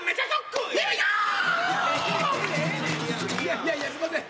いやいやすんません。